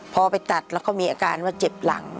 พอไปตัดแล้วก็มีอาการว่าเจ็บหลัง